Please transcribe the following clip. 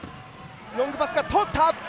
ロングパスが通った。